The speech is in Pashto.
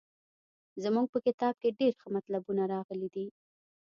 زموږ په کتاب کې ډېر ښه مطلبونه راغلي دي.